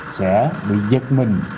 sẽ bị giật mình